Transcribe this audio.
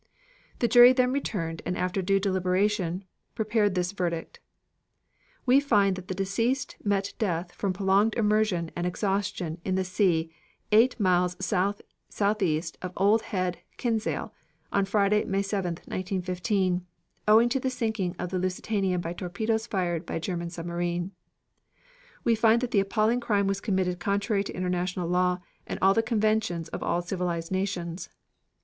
The jury then retired and after due deliberation prepared this verdict: We find that the deceased met death from prolonged immersion and exhaustion in the sea eight miles south southeast of Old Head of Kinsale, Friday, May 7, 1915, owing to the sinking of the Lusitania by torpedoes fired by a German submarine. We find that the appalling crime was committed contrary to international law and the conventions of all civilized nations.